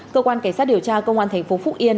cơ quan cảnh sát điều tra công an thành phố phúc yên